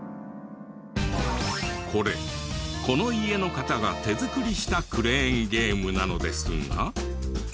これこの家の方が手作りしたクレーンゲームなのですが。